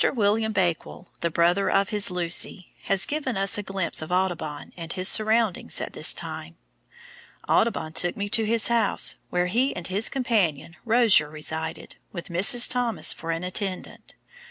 William Bakewell, the brother of his Lucy, has given us a glimpse of Audubon and his surroundings at this time. "Audubon took me to his house, where he and his companion, Rozier, resided, with Mrs. Thomas for an attendant.